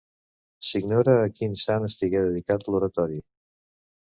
S'ignora a quin sant estigué dedicat l'oratori.